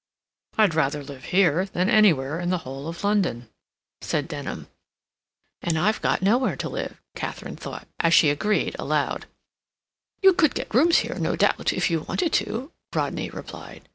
"I'd rather live here than anywhere in the whole of London," said Denham. ("And I've got nowhere to live") Katharine thought, as she agreed aloud. "You could get rooms here, no doubt, if you wanted to," Rodney replied.